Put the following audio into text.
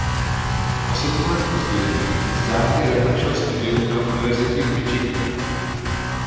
O sedm let později zdárně zakončil studium na univerzitě v Michiganu.